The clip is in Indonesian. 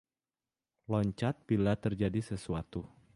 Loncat bila terjadi sesuatu.